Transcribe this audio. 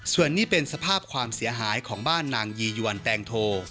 ส่วนนี้เป็นสภาพความเสียหายของบ้านนางยียวนแตงโท